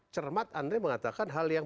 cermat andre mengatakan hal yang